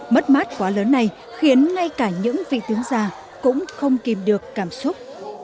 mất mát quá lớn này khiến ngay cả những vị tướng già cũng không kìm được cảm xúc